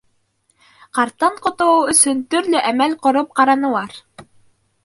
Ҡарттан ҡотолоу өсөн, төрлө әмәл ҡороп ҡаранылар.